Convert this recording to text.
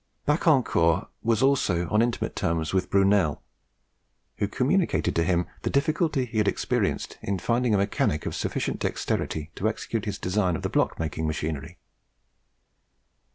Bacquancourt was also on intimate terms with Brunel, who communicated to him the difficulty he had experienced in finding a mechanic of sufficient dexterity to execute his design of the block making machinery.